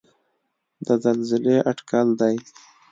د زلزلې اټکل دی.